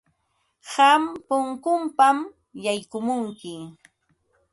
Qam punkunpam yaykamunki.